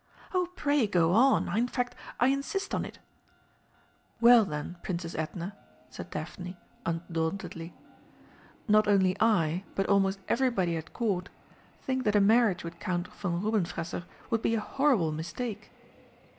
"Oh, pray go on. In fact, I insist on it." "Well, then, Princess Edna," said Daphne undauntedly, "not only I, but almost everybody at Court, think that a marriage with Count von Rubenfresser would be a horrible mistake."